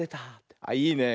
あっいいね。